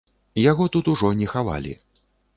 Яго тут ужо не хавалі.